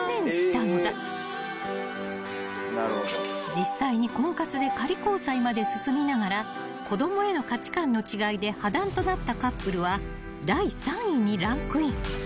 ［実際に婚活で仮交際まで進みながら子供への価値観の違いで破談となったカップルは第３位にランクイン］